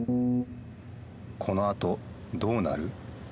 このあとどうなる？